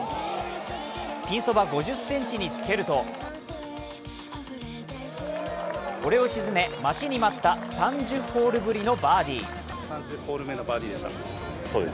ピンそば５０ｃｍにつけると、これを沈め、待ちに待った３０ホールぶりのバーディー。